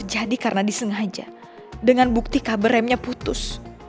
jadi karena disengaja dengan bukti kabar remnya putus